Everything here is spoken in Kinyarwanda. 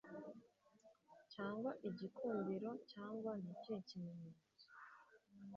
Cyangwa igikundiro cyangwa nikihe kimenyetso